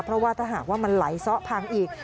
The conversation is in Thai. เพราะว่าถ้าหากว่ามันไหลซ้อพังอีก